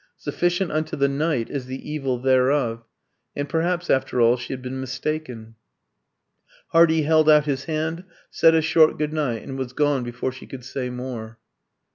Sufficient unto the night is the evil thereof. And perhaps, after all, she had been mistaken. Hardy held out his hand, said a short good night, and was gone before she could say more.